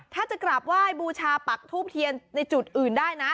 ถ้าจะกราบไหว้บูชาปักทูบเทียนในจุดอื่นได้นะ